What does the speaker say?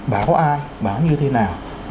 báo ai báo như thế nào